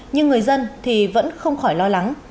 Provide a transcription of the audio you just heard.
nhưng người dân thì vẫn không khỏi lo lắng